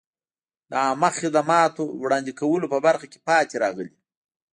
د عامه خدماتو وړاندې کولو په برخه کې پاتې راغلي.